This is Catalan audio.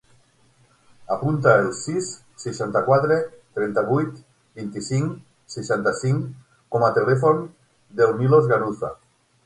Apunta el sis, seixanta-quatre, trenta-vuit, vint-i-cinc, seixanta-cinc com a telèfon del Milos Ganuza.